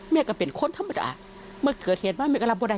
แม่ก็เป็นคนธรรมดาเมื่อเกิดเห็นมาไม่ก็รับบัวใด